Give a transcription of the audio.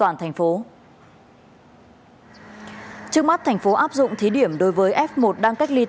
nhãn hiệu chevrolet